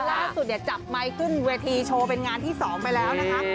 ล่าสุดเนี่ยจับไมค์ขึ้นเวทีโชว์เป็นงานที่๒ไปแล้วนะคะ